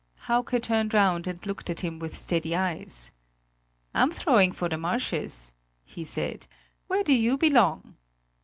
Hauke turned round and looked at him with steady eyes: "I'm throwing for the marshes," he said. "Where do you belong?"